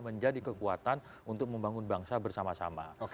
menjadi kekuatan untuk membangun bangsa bersama sama